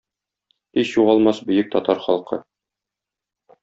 Һич югалмас бөек татар халкы